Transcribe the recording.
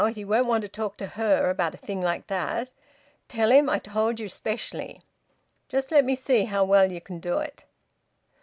He won't want to talk to her about a thing like that. Tell him I told you specially. Just let me see how well ye can do it."